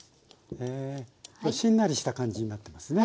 しんなりした感じになってますね。